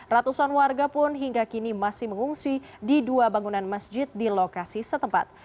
ratusan warga pun hingga kini masih mengungsi di dua bangunan masjid di lokasi setempat